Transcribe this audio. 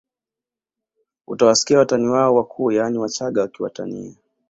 Utawasikia watani wao wakuu yaani Wachaga wakiwatania